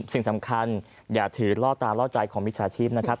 สิ่งสำคัญอย่าถือล่อตาล่อใจของมิจฉาชีพนะครับ